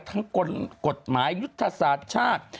กฎหมายยุทธศาสตร์ชาติ